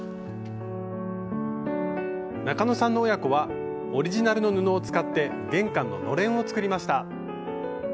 中野さんの親子はオリジナルの布を使って玄関の「のれん」を作りました。